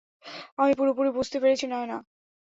আমি পুরোপুরি বুঝতে পেরেছি, নায়না।